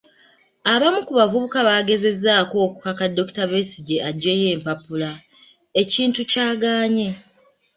Abamu ku bavubuka bagezezzaako okukaka Dr. Besigye aggyeyo empapula, ekintu ky'agaanye.